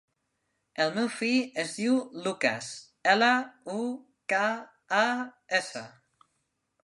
El meu fill es diu Lukas: ela, u, ca, a, essa.